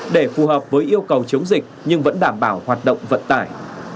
để phù hợp với yêu cầu chống dịch nhưng vẫn đảm bảo hoạt động vận tải